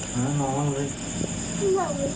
หาล้องเลย